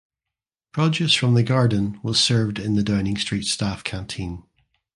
Produce from the garden was served in the Downing Street staff canteen.